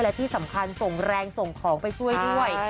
และที่สำคัญส่งแรงส่งของไปช่วยด้วย